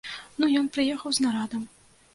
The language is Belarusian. Ну ён прыехаў з нарадам.